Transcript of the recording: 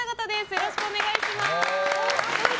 よろしくお願いします。